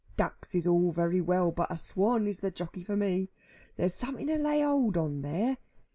Ducks is all very well, but a swan is the jockey for me. There's something to lay hold on there.